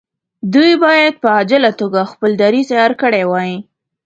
دوی باید په عاجله توګه خپل دریځ عیار کړی وای.